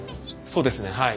そうですねはい。